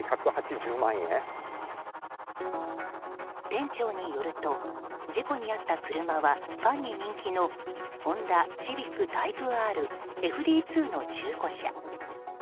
店長によると事故に遭った車はファンに人気のホンダシビックタイプＲＦＤ２の中古車。